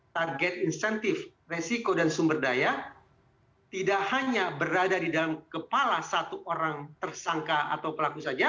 target insentif resiko dan sumber daya tidak hanya berada di dalam kepala satu orang tersangka atau pelaku saja